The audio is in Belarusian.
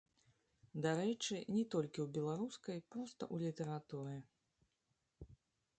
Дарэчы, не толькі ў беларускай, проста ў літаратуры.